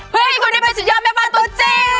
เพื่อให้คุณได้เป็นสุดยอดแม่บ้านตัวจริง